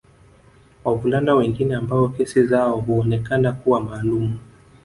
Wavulana wengine ambao kesi zao huonekana kuwa maalumu